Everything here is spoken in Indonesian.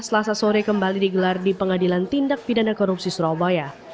selasa sore kembali digelar di pengadilan tindak pidana korupsi surabaya